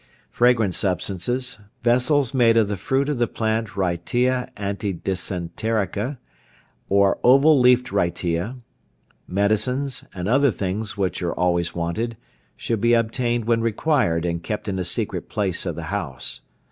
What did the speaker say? Fragrant substances, vessels made of the fruit of the plant wrightea antidysenterica, or oval leaved wrightea, medicines, and other things which are always wanted, should be obtained when required and kept in a secret place of the house.